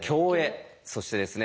そしてですね